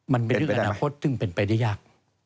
มันเป็นเรื่องอนาคตซึ่งเป็นไปได้ยาก